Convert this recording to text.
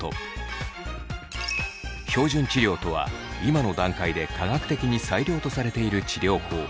標準治療とは今の段階で科学的に最良とされている治療法。